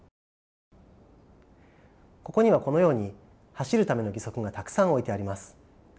ここにはこのように走るための義足がたくさん置いてあります。